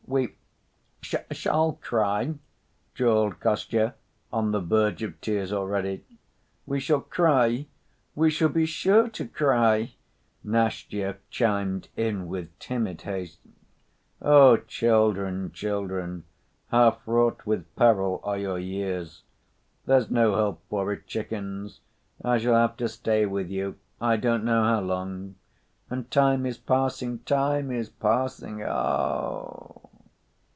"We sha—all cry," drawled Kostya, on the verge of tears already. "We shall cry, we shall be sure to cry," Nastya chimed in with timid haste. "Oh, children, children, how fraught with peril are your years! There's no help for it, chickens, I shall have to stay with you I don't know how long. And time is passing, time is passing, oogh!"